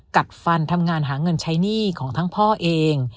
กัดฟันทำงานหาเงินใช้หนี้ของทั้งพ่อเอง